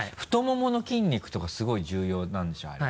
太ももの筋肉とかすごい重要なんでしょ？